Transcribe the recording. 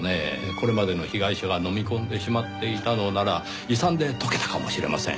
これまでの被害者が飲み込んでしまっていたのなら胃酸で溶けたかもしれません。